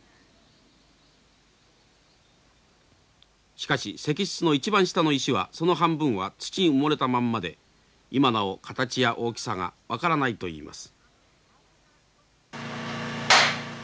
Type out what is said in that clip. しかし石室の一番下の石はその半分は土に埋もれたまんまで今なお形や大きさが分からないといいます。